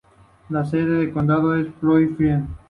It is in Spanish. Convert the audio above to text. La sede del condado es Bloomfield.